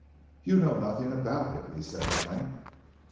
"You know nothing about him," he said at length.